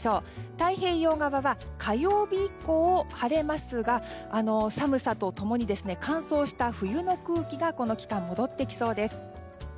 太平洋側は火曜日以降晴れますが寒さと共に乾燥した冬の空気がこの期間、戻ってきそうです。